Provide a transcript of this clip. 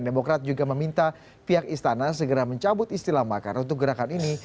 demokrat juga meminta pihak istana segera mencabut istilah makar untuk gerakan ini